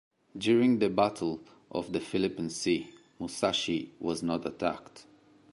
During the Battle of the Philippine Sea, "Musashi" was not attacked.